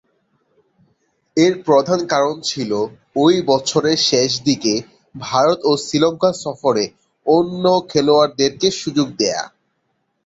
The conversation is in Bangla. এর প্রধান কারণ ছিল, ঐ বছরের শেষদিকে ভারত ও শ্রীলঙ্কা সফরে অন্য খেলোয়াড়দেরকে সুযোগ দেয়া।